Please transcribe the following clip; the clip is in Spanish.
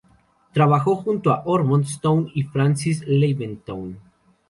Trabajó junto con Ormond Stone y Francis Leavenworth.